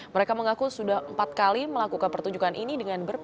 mereka mengaku sudah empat kali melakukan pertunjukan ini dengan berpengalam